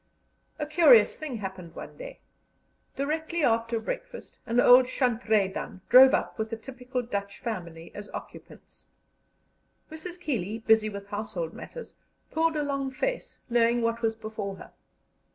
A curious thing happened one day. Directly after breakfast an old shandrydan drove up with a typical Dutch family as occupants. Mrs. Keeley, busy with household matters, pulled a long face, knowing what was before her.